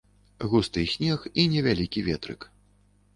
Густы снег і невялікі ветрык.